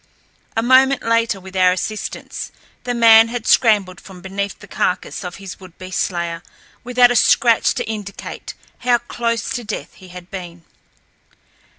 A moment later, with our assistance, the man had scrambled from beneath the carcass of his would be slayer, without a scratch to indicate how close to death he had been.